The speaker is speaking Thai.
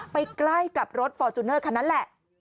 ใกล้กับรถฟอร์จูเนอร์คันนั้นแหละ